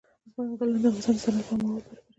ځنګلونه د افغانستان د صنعت لپاره مواد برابروي.